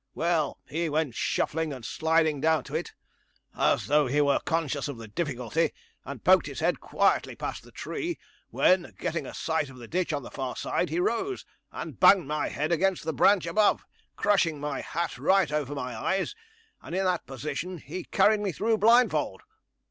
Well, he went shuffling and sliding down to it, as though he were conscious of the difficulty, and poked his head quietly past the tree, when, getting a sight of the ditch on the far side, he rose, and banged my head against the branch above, crushing my hat right over my eyes, and in that position he carried me through blindfold.'